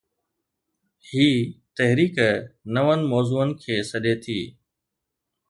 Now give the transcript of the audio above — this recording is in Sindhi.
هي ’تحريڪ‘ نون موضوعن کي سڏي ٿي.